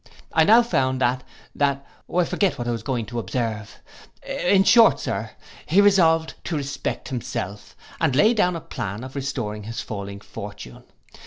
I now found, that—that—I forget what I was going to observe: in short, sir, he resolved to respect himself, and laid down a plan of restoring his falling fortune.